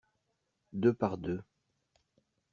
Deux par deux.